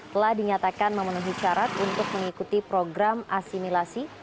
telah dinyatakan memenuhi syarat untuk mengikuti program asimilasi